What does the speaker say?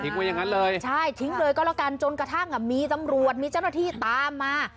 ไว้อย่างนั้นเลยใช่ทิ้งเลยก็แล้วกันจนกระทั่งอ่ะมีตำรวจมีเจ้าหน้าที่ตามมา